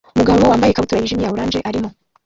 Umugabo wambaye ikabutura yijimye ya orange arimo